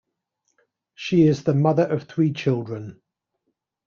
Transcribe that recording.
She is the mother of three children.